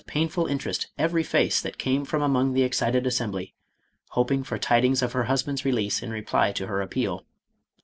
painful interest every face that came from among the excited Assem bly, hoping for tidings of her husband's release in reply to her appeal.